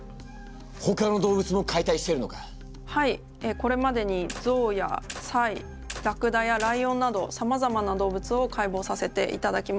これまでにゾウやサイラクダやライオンなどさまざまな動物を解剖させていただきました。